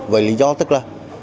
với lý do tức là